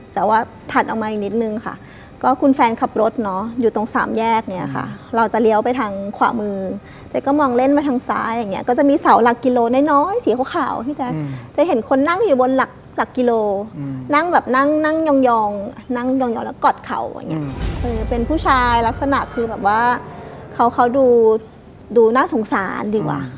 เล่นมาทางซ้ายอย่างเงี้ยก็จะมีเสาหลักกิโลน้อยน้อยสีขาวขาวที่จะจะเห็นคนนั่งอยู่บนหลักหลักกิโลนั่งแบบนั่งนั่งยองยองนั่งยองยองแล้วกอดเขาอย่างเงี้ยคือเป็นผู้ชายลักษณะคือแบบว่าเขาเขาดูดูน่าสงสารดีกว่า